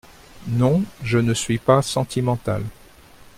Non, je ne suis pas sentimental.